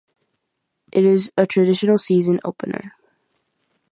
It is a traditional season opener.